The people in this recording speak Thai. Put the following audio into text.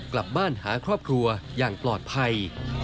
กลับบ้านหาครอบครัวอย่างปลอดภัย